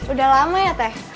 udah lama ya teh